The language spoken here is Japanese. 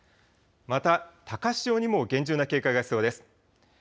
また高潮にも厳重な警戒が必要です。